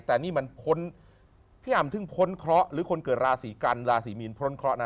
แต่พี่อำถึงพ้นเคราะห์หรือคนเกิดราศิกัณฑ์ราศิมีนพ้นเคราะห์นะ